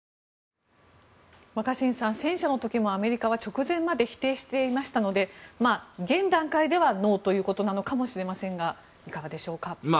若新さん、戦車の時もアメリカは直前まで否定していましたので現段階ではノーということなのかもしれませんがいかがでしょうか。